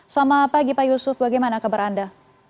selamat pagi pak yusuf bagaimana kabar anda